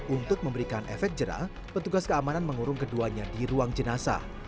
untuk memberikan efek jerah petugas keamanan mengurung keduanya di ruang jenazah